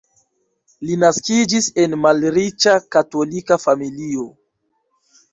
Li naskiĝis en malriĉa katolika familio.